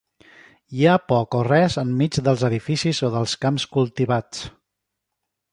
Hi ha poc o res enmig dels edificis o dels camps cultivats.